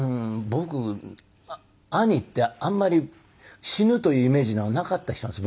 僕兄ってあんまり死ぬというイメージのなかった人なんです